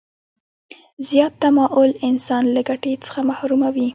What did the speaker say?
زیات تماعل انسان له ګټې څخه محروموي.